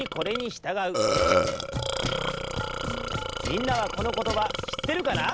みんなはこのことばしってるかな？